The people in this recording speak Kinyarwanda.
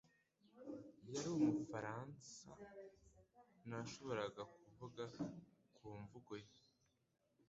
Yari Umufaransa. Nashoboraga kuvuga ku mvugo ye.